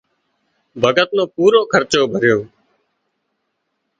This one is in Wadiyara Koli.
ڀڳت نو پورُو خرچو ڀريو